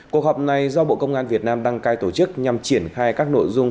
cuộc họp này do bộ công an việt nam đăng cai tổ chức nhằm triển khai các nội dung